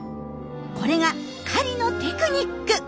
これが狩りのテクニック！